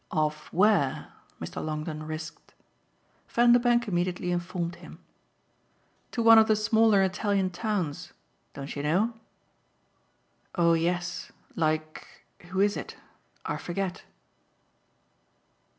"Off where?" Mr. Longdon risked. Vanderbank immediately informed him. "To one of the smaller Italian towns. Don't you know?" "Oh yes. Like who is it? I forget."